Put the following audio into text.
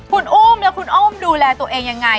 คุณอุ้มและคุณอุ้มดูแลตัวเองยังไง